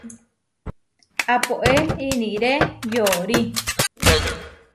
Apoé iniré yoorí.